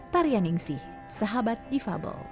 tarian ingsih sahabat ifabel